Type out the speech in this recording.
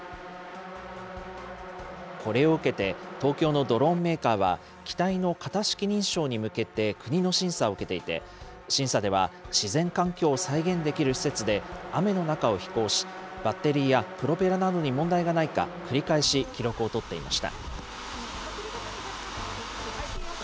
これを受けて東京のドローンメーカーは、機体の型式認証に向けて国の審査を受けていて、審査では自然環境を再現できる施設で、雨の中を飛行し、バッテリーやプロペラなどに問題がないか、繰り返し記録を取っていました。